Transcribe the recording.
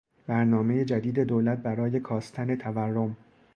برنامهی جدید دولت برای کاستن تورم